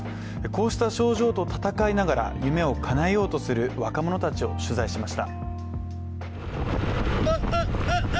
こうした症状と闘いながら夢をかなえようとする若者たちを取材しました。